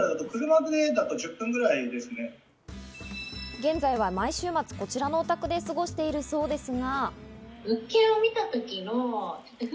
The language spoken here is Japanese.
現在は毎週末こちらのお宅で過ごしているそうですが。